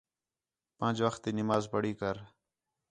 پنڄ وقت تی نماز پڑھی کر